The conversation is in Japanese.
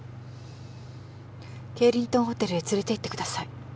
ケイリントンホテルへ連れて行ってください。